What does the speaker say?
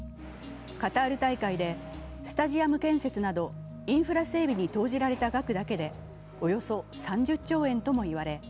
カタール大会でスタジアム建設などインフラ整備に投じられた額だけでおよそ３０兆円ともいわれ